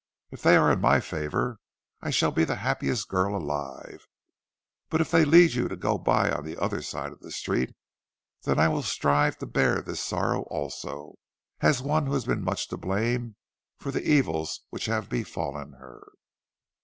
If they are in my favor I shall be the happiest girl alive, but if they lead you to go by on the other side of the street, then will I strive to bear this sorrow also, as one who has been much to blame for the evils which have befallen her."